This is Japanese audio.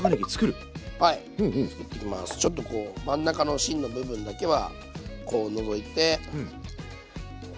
ちょっとこう真ん中の芯の部分だけはこう除いてこういうふうに皮を。